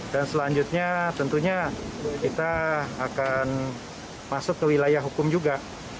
dan selanjutnya tentunya kita akan masuk ke wilayah hukum juga